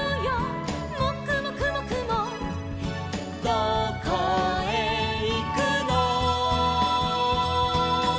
「どこへいくの」